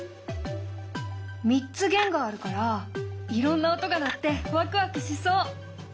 ３つ弦があるからいろんな音が鳴ってワクワクしそう！